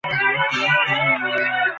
কিন্তু ইউরোপ সভ্য হতে লাগল।